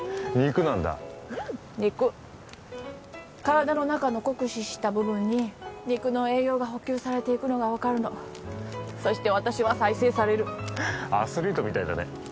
肉なんだうん肉体の中の酷使した部分に肉の栄養が補給されていくのが分かるのそして私は再生されるアスリートみたいだね